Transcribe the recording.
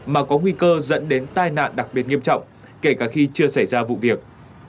mà có nguy cơ dẫn đến tai nạn đặc biệt nghiêm trọng kể cả khi chưa xảy ra vụ việc